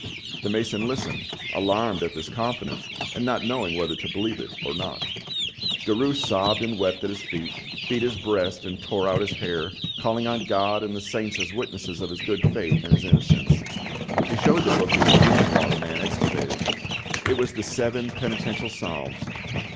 The mason listened, alarmed at this confidence, and not knowing whether to believe it or not. Derues sobbed and wept at his feet, beat his breast and tore out his hair, calling on God and the saints as witnesses of his good faith and his innocence. He showed the book he was reading while the mason excavated: it was the Seven Penitential Psalms.